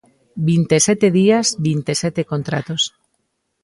Vinte e sete días, vinte e sete contratos.